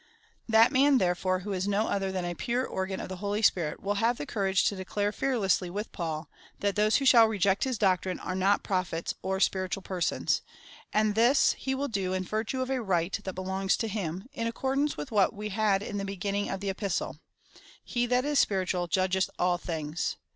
That man, therefore, who is no other than a pure organ of the Holy Spirit, will have the courage to declare fearlessly with Paul, that those who shall reject his doctrine, are not Prophets or spiritual persons ; and this he will do in virtue of a right that belongs to him, in accordance with what we had in the beginning of the Epistle — he that is spiritual, judgeth all things.